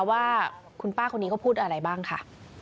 ว่าคุณป้าคนนี้เขาพูดอะไรบ้างค่ะ